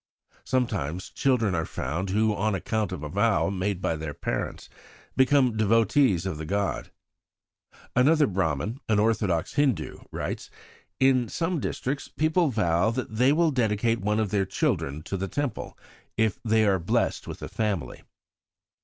Sometimes children are found who, on account of a vow made by their parents, become devotees of the gods." Another Brahman, an orthodox Hindu, writes: "In some districts people vow that they will dedicate one of their children to the Temple if they are blessed with a family.